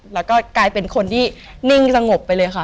แล้วก็กลายเป็นคนที่นิ่งสงบไปเลยค่ะ